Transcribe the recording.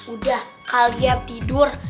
udah kalian tidur